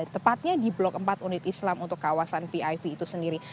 tepatnya di blok empat unit islam untuk kawasan vip itu sendiri